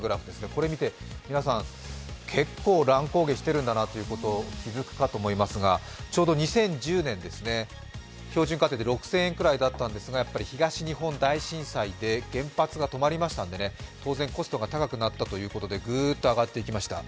これを見て皆さん結構乱高下したてるんだなと思いますが、ちょうど２０１０年、標準家庭で６０００円ぐらいだったんですが、東日本大震災で原発が止まりましたんでね、当然コストが高くなったということで、グッと上がっていきました。